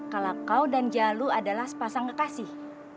kalau kau dan jalu adalah sepasang kekasih